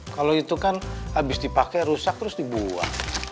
kalau itu kan abis dipake rusak terus dibuang